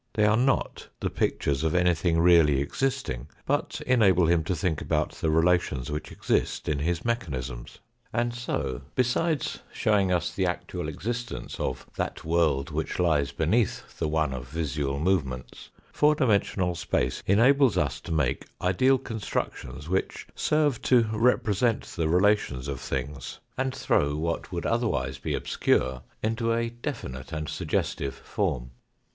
They are not the pictures of anything really existing, but enable him to think about the relations which exist in his mechanisms. And so, besides showing us the actual existence of that world which lies beneath the one of visible movements, four dimensional space enables us to make ideal con structions which serve to represent the relations of things, and throw what would otherwise be obscure into a definite and suggestive form.